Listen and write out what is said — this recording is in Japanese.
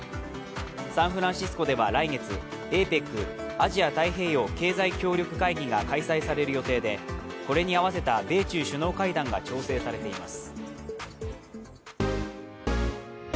サンフランシスコでは来月、ＡＰＥＣ＝アジア太平洋経済協力会議が開催される予定で、これに合わせた米中首脳会談が調整されています。